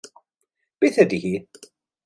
Beth ydy hi?